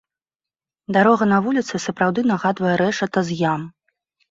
Дарога на вуліцы сапраўды нагадвае рэшата з ям.